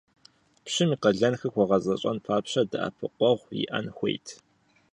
Пщым и къалэнхэр хуэгъэзэщӀэн папщӀэ дэӀэпыкъуэгъу иӀэн хуейт.